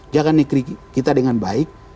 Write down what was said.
jangan negeri kita dengan baik